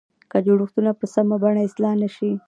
که جوړښتونه په سمه بڼه اصلاح نه شي.